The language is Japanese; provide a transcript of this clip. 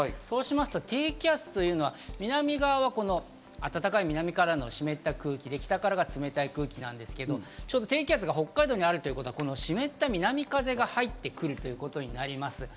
そうしますと、低気圧というのは、南側、暖かい南からの湿った空気、北からが冷たい空気なんですけど、低気圧が北海道にあるということは、湿った南風が入ってくることになります。